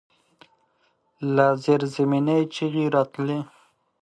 له زيرزمينې چيغې راتلې.